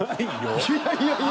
いやいやいや。